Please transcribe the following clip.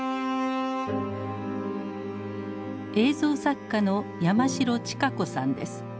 映像作家の山城知佳子さんです。